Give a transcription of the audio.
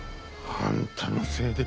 あんたのせいで。